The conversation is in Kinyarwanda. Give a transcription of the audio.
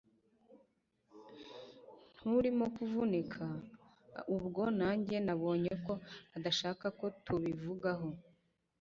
nturimo kuvunika!? ubwo nanjye nabonye ko adashaka ko tubivugaho